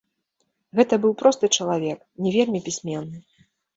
Гэта быў просты чалавек, не вельмі пісьменны.